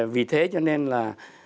vì thế cho nên là